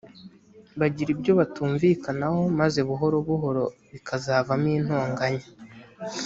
bagira ibyo batumvikanaho maze buhoro buhoro bikazavamo intonganya